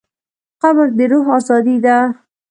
قبر د روح ازادي ده.